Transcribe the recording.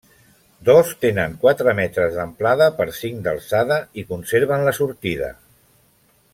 Dos tenen quatre metres d'amplada per cinc d'alçada i conserven la sortida.